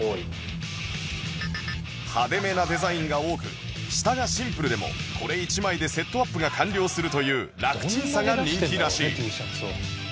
派手めなデザインが多く下がシンプルでもこれ１枚でセットアップが完了するというラクチンさが人気らしい